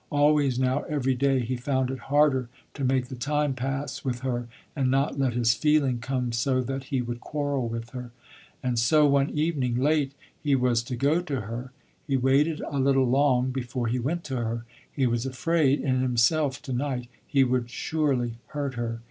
Always now every day he found it harder to make the time pass, with her, and not let his feeling come so that he would quarrel with her. And so one evening, late, he was to go to her. He waited a little long, before he went to her. He was afraid, in himself, to night, he would surely hurt her.